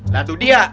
lah itu dia